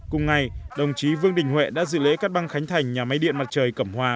cùng ngày đồng chí vương đình huệ đã dự lễ cắt băng khánh thành nhà máy điện mặt trời cẩm hòa